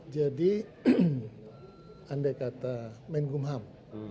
jadi andai kata menggumham